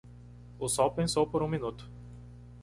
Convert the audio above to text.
O sol pensou por um minuto.